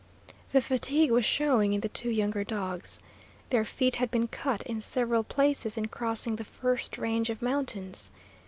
The fatigue was showing in the two younger dogs. Their feet had been cut in several places in crossing the first range of mountains.